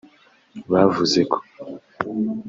bavuze ko